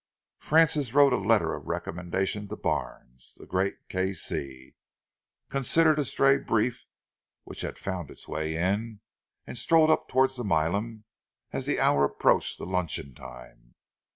Francis wrote a letter of recommendation to Barnes, the great K.C., considered a stray brief which had found its way in, and strolled up towards the Milan as the hour approached luncheon time.